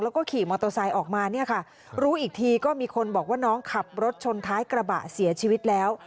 แล้วก็ขี่มอเตอร์ไซค์ออกมาเนี่ยค่ะรู้อีกทีก็มีคนบอกว่าน้องขับรถชนท้ายกระบะเสียชีวิตแล้ว